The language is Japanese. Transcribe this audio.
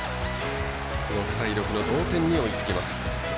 ６対６の同点に追いつきます。